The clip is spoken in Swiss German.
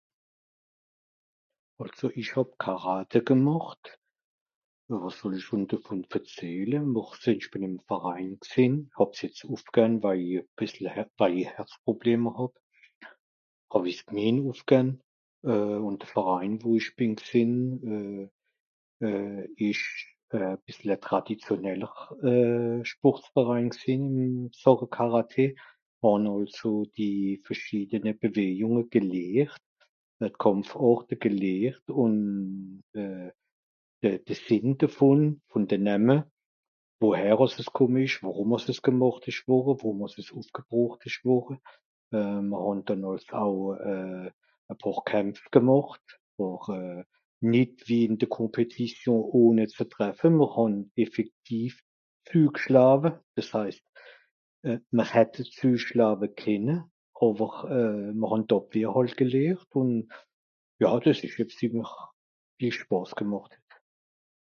Àlso ìch hàb Karaté gemàcht. (...) schùn devùn verzehle (...) ìm e Verein gsììn, hàb's jetz ùffgän, waje i e bìssel... waje i Herzprobleme hàb. Haw-i s'mien ùffgänn. Euh... ùn de Verein, wo ìch bìn gsìnn euh... euh... ìsch e bìssel e traditionneler euh... Sportverein gsìnn ìn Sàche Karaté. Hàn àlso die verschiedene Bewejùnge gelehrt. Hàn Kàmpfàrte gelehrt ùn euh... de...de Sìnn devùn, vùn de Nämme, woher àss kùmme ìsch, worùm àss es gemàcht ìsch worre, wo (...) ùffgebroocht ìsch worre. Euh... mìr hàn dennoh àls au e pààr Kämpf gemàcht àwer euh... nìt wie ìn de Compétition ohne ze treffe mr hàn effektiv zügschlawe. Dìs heist, euh... mìr hätte züschlawe kenne, àwer euh... mr hàn d'Àbwehr hàlt gelehrt ùn... ja dìs ìsch jetzt ìmmer viel Spàs gemàcht.